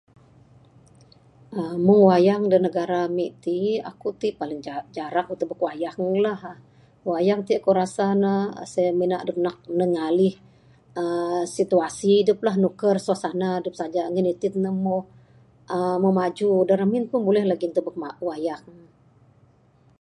aaa Meng wayang da negara ami ti aku ti paling jarang ku tubek wayang lah. Wayang ti ku rasa ne mina dep nak ngalih situasi dep la nukar suasan dep saja ngin itin mo maju da ramin pun buleh lagih ne tubek wayang.